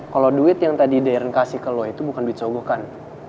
kalo duit yang tadi deren kasih ke lo itu bukan duit sogo kan